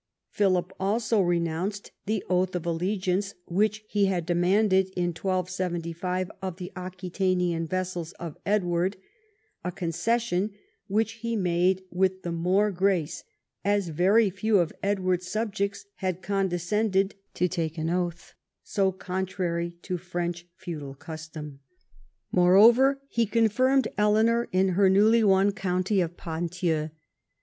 Philip also renounced the oath of allegiance which he had demanded in 1275 of the Aquitanian vassals of Edward, a concession which he made with the more grace as very few of Edward's subjects had condescended to take an oath so con trary to French feudal custom. Moreover, he confirmed Eleanor in her newly won county of Ponthieu.